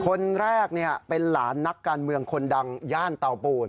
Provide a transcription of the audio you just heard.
คนแรกเป็นหลานนักการเมืองคนดังย่านเตาปูน